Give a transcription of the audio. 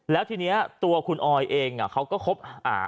แล้วทีนี้ตัวคุณออยเองเขาก็คบหา